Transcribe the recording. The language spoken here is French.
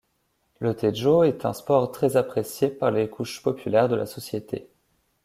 Le tejo est un sport très apprécié par les couches populaires de la société.